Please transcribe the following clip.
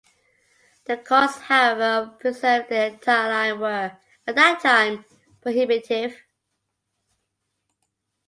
The costs however of preserving the entire line were, at that time, prohibitive.